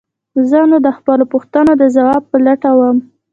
زه نو د خپلو پوښتنو د ځواب په لټه وم.